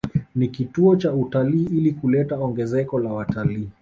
Ni kituo cha utalii ili kuleta ongezeko la wataliii